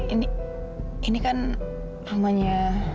ini ini kan rumahnya